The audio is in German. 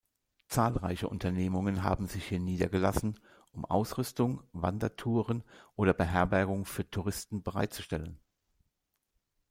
Zahlreiche Unternehmungen haben sich hier niedergelassen, um Ausrüstung, Wandertouren oder Beherbergung für Touristen bereitzustellen.